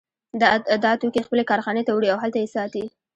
دا توکي خپلې کارخانې ته وړي او هلته یې ساتي